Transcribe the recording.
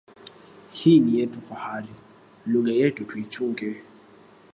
Hii ni yetu fahari, lugha yetu tuichunge.